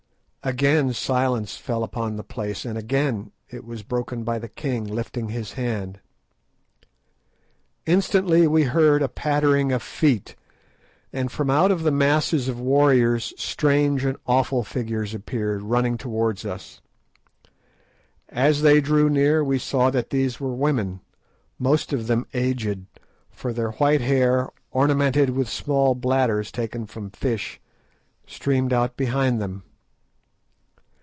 Again silence fell upon the place, and again it was broken by the king lifting his hand. Instantly we heard a pattering of feet, and from out of the masses of warriors strange and awful figures appeared running towards us. As they drew near we saw that these were women, most of them aged, for their white hair, ornamented with small bladders taken from fish, streamed out behind them.